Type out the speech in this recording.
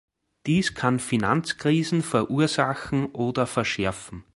Dies kann Finanzkrisen verursachen oder verschärfen.